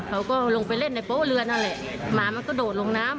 เขาก็ลงไปเล่นในโป๊ะเรือนนั่นแหละหมามันกระโดดลงน้ำ